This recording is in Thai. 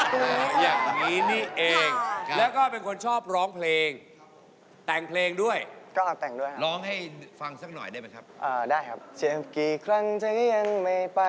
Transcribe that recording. ทีครั้งจะยังไม่ไป